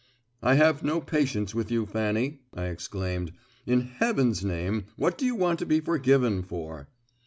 "I have no patience with you, Fanny," I exclaimed. "In heaven's name, what do you want to be forgiven for?"